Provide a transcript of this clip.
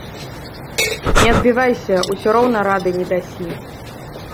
Не адбівайся, усё роўна рады не дасі.